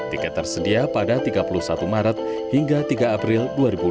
tiket tersedia pada tiga puluh satu maret hingga tiga april